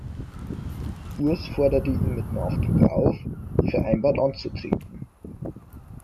Urs forderte ihn mit Nachdruck auf, wie vereinbart anzutreten.